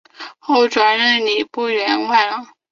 后转任礼部员外郎。